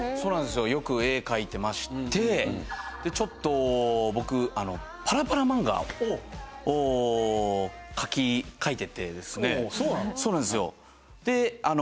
よく絵描いてましてちょっと僕あのパラパラ漫画をおっ描き描いててですねそうなの？